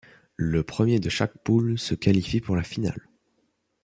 Le premier de chaque poule se qualifie pour la finale.